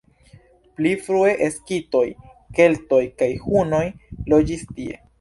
Pli frue skitoj, keltoj kaj hunoj loĝis tie.